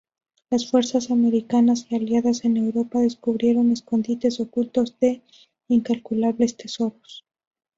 Las fuerzas americanas y aliadas en Europa descubrieron escondites ocultos de incalculables tesoros.